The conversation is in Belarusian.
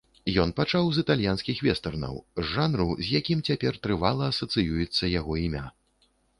Ён пачаў з італьянскіх вестэрнаў, з жанру, з якім цяпер трывала асацыюецца яго імя.